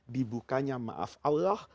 dibukanya maaf allah